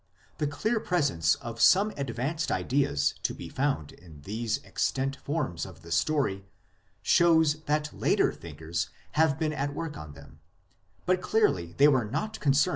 The clear presence of some advanced ideas to be found in these extant forms of the story shows that later thinkers have been at work on them, but clearly they were not concerned to 1 Op.